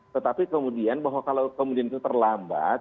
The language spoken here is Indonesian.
tetapi kemudian bahwa kalau kemudian itu terlambat